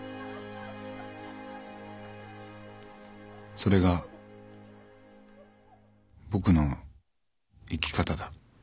「それが僕の生き方だ」